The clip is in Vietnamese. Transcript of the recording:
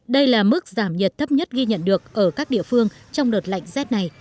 đây là mức giảm nhiệt thấp nhất ghi nhận được ở các địa phương trong đợt lạnh rét này